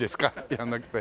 やらなくて。